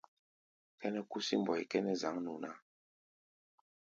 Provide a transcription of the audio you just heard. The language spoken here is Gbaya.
Kʼɛ́nɛ́ kúsí mbɔi kʼɛ́nɛ́ zǎŋnu ná.